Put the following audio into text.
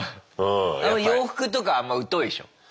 あんま洋服とかあんま疎いでしょ？